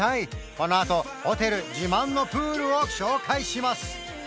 このあとホテル自慢のプールを紹介します